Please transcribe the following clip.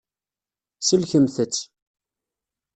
Sellkemt-tt.